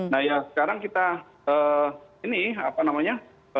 nah ya sekarang kita ini apa namanya